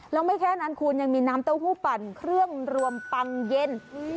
แล้วไม่แค่นั้นคุณยังมีน้ำเต้าหู้ปั่นเครื่องรวมปังเย็น